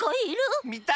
みたい！